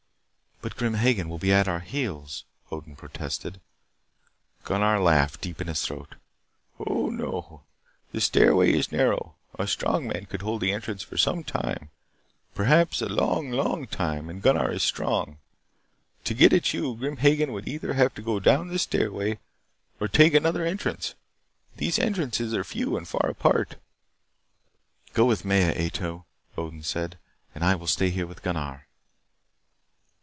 "But Grim Hagen will be at our heels " Odin protested. Gunnar laughed deep in his throat. "Oh, no. The stairway is narrow. A strong man could hold the entrance for some time perhaps a long, long time. And Gunnar is strong. To get at you, Grim Hagen would either have to go down this stairway or take another entrance. These entrances, are few and far apart." "Go with Maya, Ato," Odin said, "and I will stay here with Gunnar."